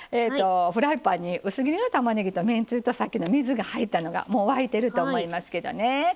フライパンに薄切りのたまねぎとめんつゆとさっきの水が入ったのがもう沸いてると思いますけどね。